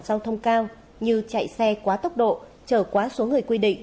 sau thông cao như chạy xe quá tốc độ chở quá số người quy định